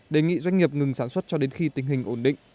đề nghị doanh nghiệp ngừng sản xuất cho đến khi tình hình ổn định